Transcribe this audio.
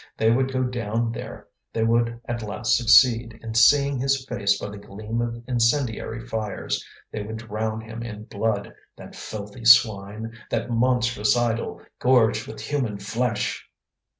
They would go down there; they would at last succeed in seeing his face by the gleam of incendiary fires, they would drown him in blood, that filthy swine, that monstrous idol, gorged with human flesh!